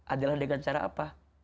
adalah dengan cara apa